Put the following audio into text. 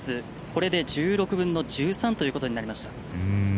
これで１６分の１３ということになりました。